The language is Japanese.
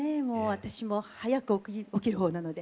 私も早く起きるほうなので。